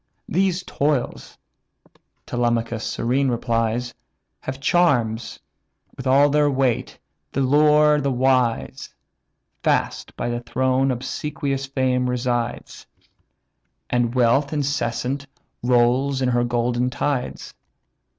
"Those toils (Telemachus serene replies) Have charms, with all their weight, t'allure the wise. Fast by the throne obsequious fame resides, And wealth incessant rolls her golden tides.